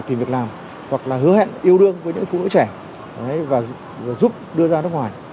tìm việc làm hoặc là hứa hẹn yêu đương với những phụ nữ trẻ và giúp đưa ra nước ngoài